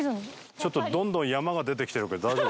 ちょっとどんどん山が出てきてるけど大丈夫？